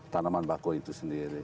tanaman bakau itu sendiri